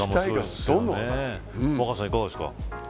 若狭さんはいかがですか。